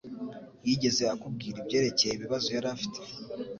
Yigeze akubwira ibyerekeye ibibazo yari afite?